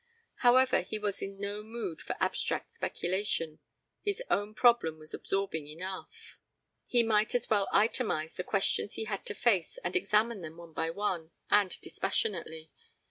However, he was in no mood for abstract speculation. His own problem was absorbing enough. He might as well itemize the questions he had to face and examine them one by one, and dispassionately.